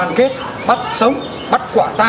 để công an xã